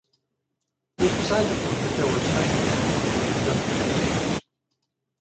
It was beside the point that there were specialist courts for industrial disputes.